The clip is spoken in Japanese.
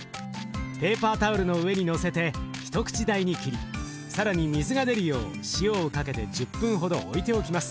ペーパータオルの上にのせて一口大に切り更に水が出るよう塩をかけて１０分ほど置いておきます。